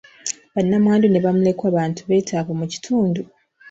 Bannamwandu ne bamulekwa bantu beetaavu mu kitundu.